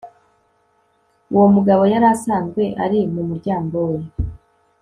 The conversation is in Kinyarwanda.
uwo mugabo yari asanzwe ari mu muryango we